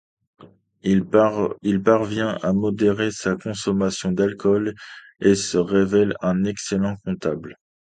Il parvient à modérer sa consommation d’alcool et se révèle un excellent comptable.